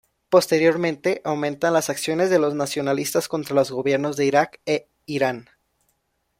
Posteriormente aumentan las acciones de los nacionalistas contra los gobiernos de Irak e Irán.